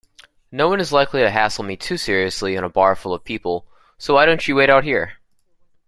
Noone is likely to hassle me too seriously in a bar full of people, so why don't you wait out here?